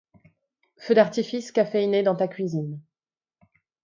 Feu d'artifice caféiné dans ta cuisine.